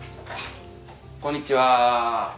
こんにちは。